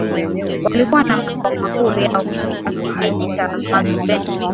walikuwa na makao makuu yao katika kijiji cha Magbeni